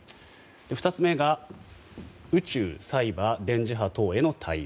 ２つ目が、宇宙・サイバー電磁波等への対応。